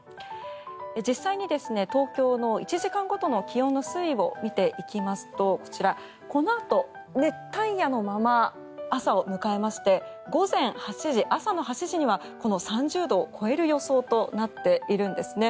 実際に東京の１時間ごとの気温の推移を見ていきますとこちら、このあと熱帯夜のまま朝を迎えまして午前８時、朝の８時には３０度を超える予想となっているんですね。